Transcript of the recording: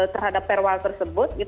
terhadap perwal tersebut